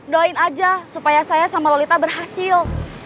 doain aja supaya saya sama lolita berhasil